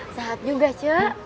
sehat juga cek